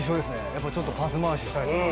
やっぱりちょっとパス回ししたりとか。